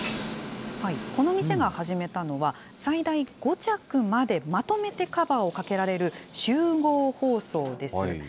この店が始めたのは、最大５着までまとめてカバーをかけられる集合包装です。